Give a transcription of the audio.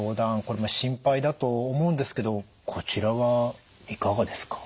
これも心配だと思うんですけどこちらはいかがですか？